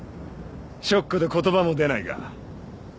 ショックで言葉も出ないか。